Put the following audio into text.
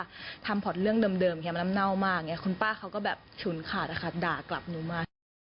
แต่ว่าทำพอดเรื่องเดิมมันน่ำเน่ามากคุณป้าเค้าก็แบบฉุนขาดด่ากลับหนูมา